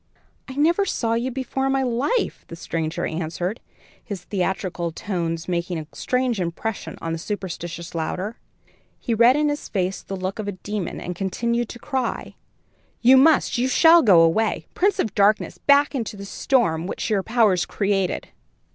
"I never saw you before in my life," the stranger answered, his theatrical tones making a strange impression on the superstitious Louder. He read in his face the look of a demon, and continued to cry: "You must, you shall go away! Prince of darkness, back into the storm which your powers created!"